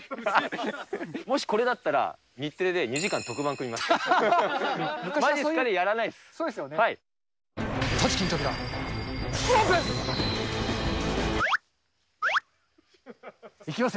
もしこれだったら、日テレで２時間特番組みます。